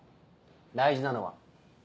大事なのはここ。